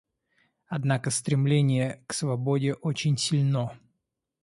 Однако стремление к свободе очень сильно.